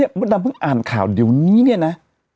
มดดำเพิ่งอ่านข่าวเดี๋ยวนี้เนี่ยนะ